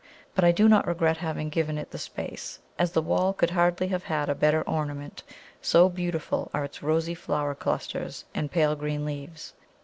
But I do not regret having given it the space, as the wall could hardly have had a better ornament, so beautiful are its rosy flower clusters and pale green leaves.